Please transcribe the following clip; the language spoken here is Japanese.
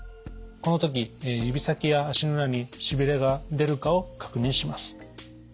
この時指先や足の裏にしびれが出るかを確認します。